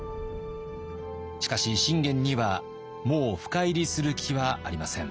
しかし信玄にはもう深入りする気はありません。